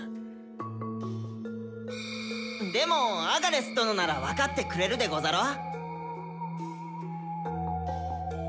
でもアガレス殿なら分かってくれるでござろう？